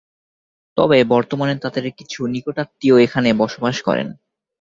তবে বর্তমানে তাদের কিছু নিকটাত্মীয় এখানে বসবাস করেন।